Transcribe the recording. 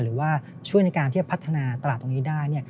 หรือว่าช่วยในการที่จะพัฒนาตลาดตรงนี้ได้